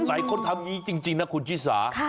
หลายคนทำงี้จริงนะคุณชิสา